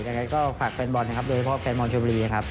ยังไงก็ฝากแฟนบอลนะครับโดยเฉพาะแฟนบอลชมบุรีครับ